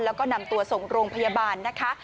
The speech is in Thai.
แล้วก็นำตัวส่งโรงพยาบาลนะคะ